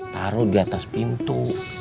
taruh di atas pintu